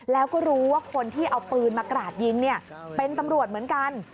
แล้วก็รู้ว่าคนที่เอาปืนมากราดยิงเป็นตำรวจเหมือนกัน